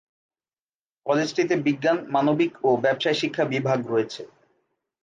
কলেজটিতে বিজ্ঞান, মানবিক ও ব্যাবসায় শিক্ষা বিভাগ রয়েছে।